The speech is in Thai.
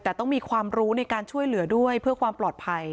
แต่ต้องมีความรู้ในการช่วยเหลือด้วยเพื่อความปลอดภัย